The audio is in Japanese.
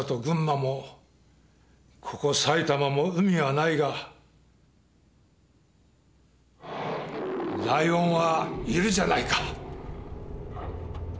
群馬もここ埼玉も海はないがライオンはいるじゃないか！